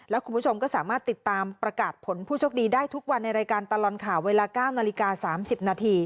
แล้วคุณผู้ชมก็สามารถติดตามประกาศผลผู้โชคดีได้ทุกวันในรายการตลอดข่าวเวลา๙นาฬิกา๓๐นาที